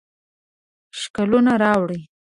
ښکلونه راوړي